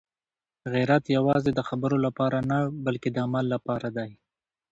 غیرت یوازې د خبرو لپاره نه، بلکې د عمل لپاره دی.